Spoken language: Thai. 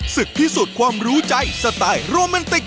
พิสูจน์ความรู้ใจสไตล์โรแมนติก